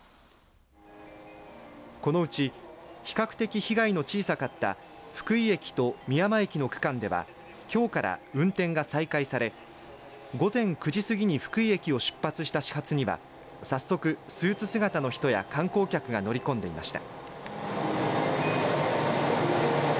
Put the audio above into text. このうち比較的被害の小さかった福井駅と美山駅の区間ではきょうから運転が再開され午前９時過ぎに福井駅を出発した始発には早速、スーツ姿の人や観光客が乗り込んでいました。